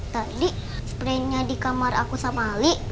tadi spray nya di kamar aku sama ali